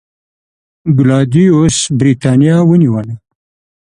کلاډیوس برېټانیا ونیوله